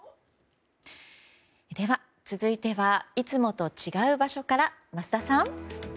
では、続いてはいつもと違う場所から桝田さん。